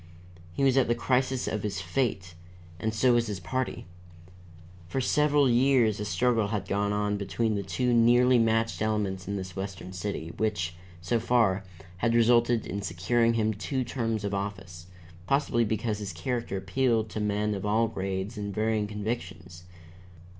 He was at the crisis of his fate, and so was his party. For several years a struggle had gone on between the two nearly matched elements in this western city, which, so far, had resulted in securing him two terms of office possibly because his character appealed to men of all grades and varying convictions.